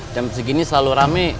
jam segini selalu rame